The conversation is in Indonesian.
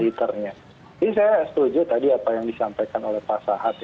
ini saya setuju tadi apa yang disampaikan oleh pak sahat